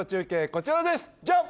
こちらですジャン！